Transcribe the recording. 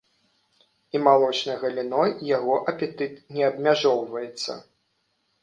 І малочнай галіной яго апетыт не абмяжоўваецца.